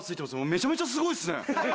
めちゃめちゃすごいっすね！